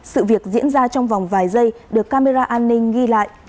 sự việc diễn ra trong vòng vài giây được camera an ninh ghi lại